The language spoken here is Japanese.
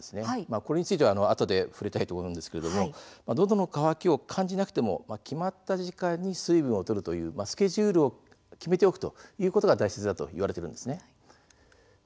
これについてはあとで触れたいと思うんですがのどの渇きを感じなくても決まった時間に水分をとるとスケジュールを決めておくということが大切だとされています。